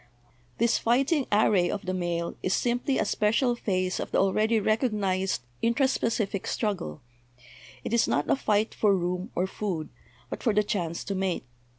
This fighting array of the male is simply a special phase of the already recognised intra specific struggle; it is not a fight for room or food, but for the chance to mate.